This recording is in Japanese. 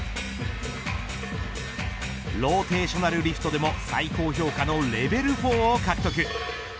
ローテーショナルリフトでも最高評価のレベル４を獲得。